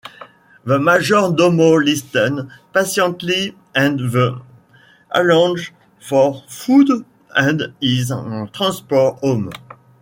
The Major-Domo listens patiently and then arranges for food and his transport home.